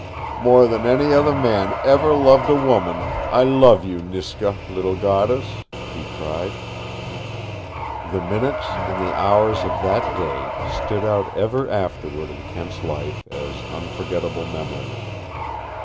"More than any other man ever loved a woman I love you, Niska, little goddess," he cried. The minutes and the hours of that day stood out ever afterward in Kent's life as unforgettable memories.